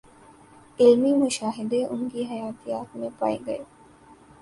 علمی مشاہدے ان کی حیاتیات میں پائے گئے